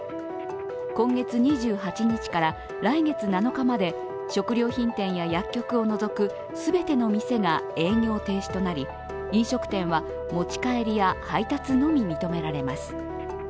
今月２８日から来月７日まで食料品店や薬局を除く全ての店が営業停止となり飲食店は持ち帰りや配達のみ認められます。